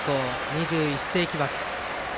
２１世紀枠。